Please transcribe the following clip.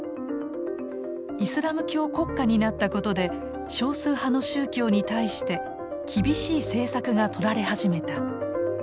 イスラム教国家になったことで少数派の宗教に対して厳しい政策がとられ始めた。